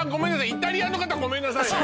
イタリアの方ごめんなさいね